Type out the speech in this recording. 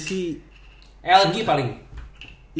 cuman mereka menambah beberapa rookie aja